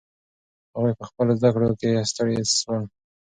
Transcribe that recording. هغوی په خپلو زده کړو کې ستړي سول.